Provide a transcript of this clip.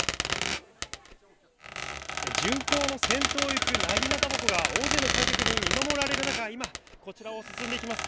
巡行の先頭を行く長刀鉾が見守られる中、今、こちらを進んでいきます。